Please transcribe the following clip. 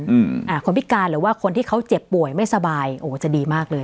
อืมอ่าคนพิการหรือว่าคนที่เขาเจ็บป่วยไม่สบายโอ้โหจะดีมากเลย